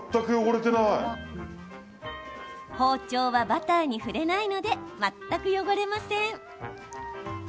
包丁はバターに触れないので全く汚れません。